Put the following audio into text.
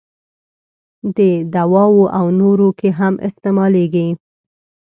دواوو او نورو کې هم استعمالیږي.